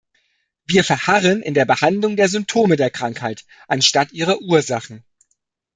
Wir verharren in der Behandlung der Symptome der Krankheit anstatt ihrer Ursachen.